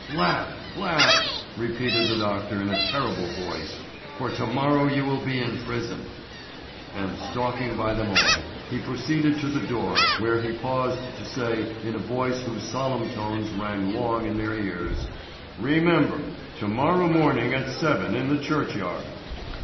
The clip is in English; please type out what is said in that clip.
"Laugh, laugh!" repeated the doctor, in a terrible voice, "for to morrow you will be in prison." And stalking by them all, he proceeded to the door, where he paused to say in a voice whose solemn tones rang long in their ears, "Remember! to morrow morning at seven in the churchyard."